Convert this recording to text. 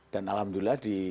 dan alhamdulillah djk